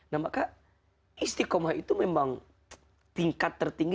nah maka istiqomah itu memang